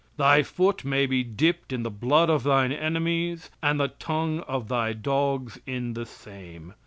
"Thy foot may be dipped in the blood of thine enemies, and the tongue of thy dogs in the same."